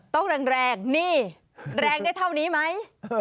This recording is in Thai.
ต้องแรงนี่แรงได้เท่านี้ไหม